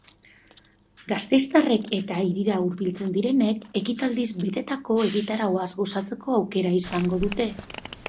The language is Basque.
Gasteiztarrek eta hirira hurbiltzen direnek ekitaldiz betetako egitarauaz gozatzeko aukera izango dute.